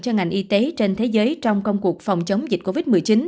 cho ngành y tế trên thế giới trong công cuộc phòng chống dịch covid một mươi chín